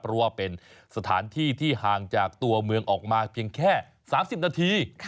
เพราะว่าเป็นสถานที่ที่ห่างจากตัวเมืองออกมาเพียงแค่๓๐นาที